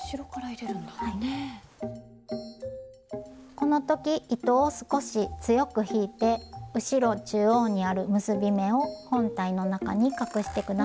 この時糸を少し強く引いて後ろ中央にある結び目を本体の中に隠して下さいね。